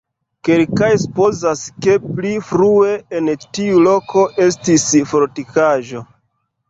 Kelkaj supozas, ke pli frue en tiu loko estis fortikaĵo.